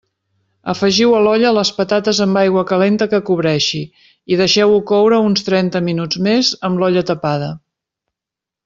Afegiu a l'olla les patates amb aigua calenta que cobreixi i deixeu-ho coure uns trenta minuts més amb l'olla tapada.